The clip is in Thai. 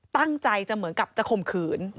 ตั้งใจจะเหมือนกับจะข่มขืน